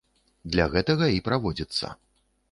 Для гэтага і праводзіцца.